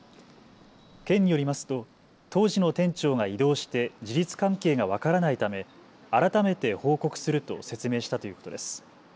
県によりますと当時の店長が異動して事実関係が分からないため改めて報告すると説明したということです。